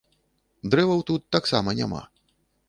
Дрэваў тут таксама няма.